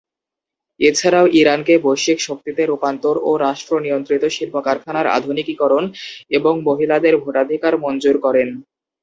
এছাড়াও ইরানকে বৈশ্বিক শক্তিতে রূপান্তর ও রাষ্ট্র নিয়ন্ত্রিত শিল্প-কারখানার আধুনিকীকরণ এবং মহিলাদের ভোটাধিকার মঞ্জুর করেন।